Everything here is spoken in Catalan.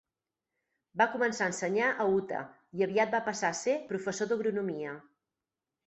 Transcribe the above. Va començar a ensenyar a Utah, i aviat va passar a ser professor d'agronomia.